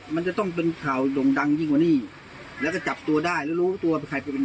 มันจะต้องเป็นข่าวด่งดังยิ่งกว่านี้แล้วก็จับตัวได้หรือรู้ตัวเป็นใครคือเป็น